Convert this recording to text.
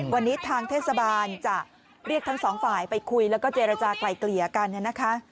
วันนี้ทางเทศบาลจะเรียกทั้งสองฝ่ายไปคุยแล้วก็เจรจากลายเกลี่ยกันเนี่ยนะคะ